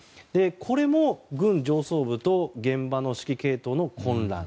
これも、軍上層部と現場の指揮系統の混乱。